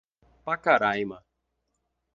Pacaraima